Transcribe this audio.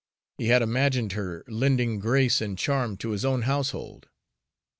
He had imagined her lending grace and charm to his own household.